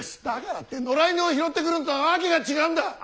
だからって野良犬を拾ってくるのとは訳が違うんだ！